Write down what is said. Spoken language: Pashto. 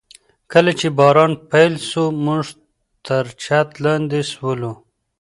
کله چي باران پیل سو، موږ تر چت لاندي سولو.